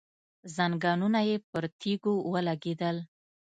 ځنګنونه يې پر تيږو ولګېدل.